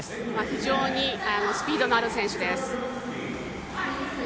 非常にスピードのある選手です。